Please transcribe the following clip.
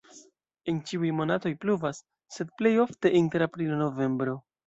En ĉiuj monatoj pluvas, sed plej ofte inter aprilo-novembro.